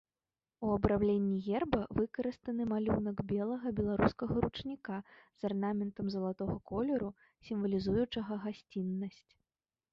У абрамленні герба выкарыстаны малюнак белага беларускага ручніка з арнаментам залатога колеру, сімвалізуючага гасціннасць.